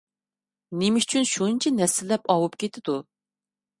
نېمە ئۈچۈن شۇنچە نەسىللەپ ئاۋۇپ كېتىدۇ؟